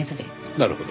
なるほど。